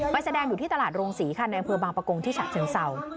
แสดงอยู่ที่ตลาดโรงศรีค่ะในอำเภอบางประกงที่ฉะเชิงเศร้า